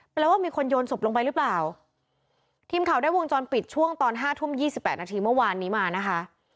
แปลว่ามีคนโยนศพลงไปหรือเปล่าทีมข่าวได้วงจรปิดช่วงตอนห้าทุ่มยี่สิบแปดนาทีเมื่อวานนี้มานะคะ